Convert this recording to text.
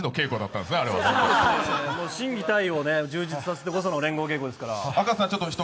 そうです、もう心技体を充実させてこその連合稽古ですから。